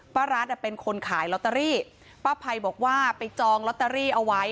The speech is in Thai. รัฐอ่ะเป็นคนขายลอตเตอรี่ป้าภัยบอกว่าไปจองลอตเตอรี่เอาไว้